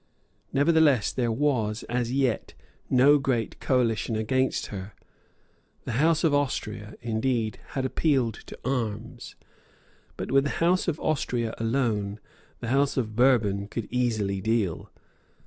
Nevertheless there was, as yet, no great coalition against her. The House of Austria, indeed, had appealed to arms. But with the House of Austria alone the House of Bourbon could easily deal.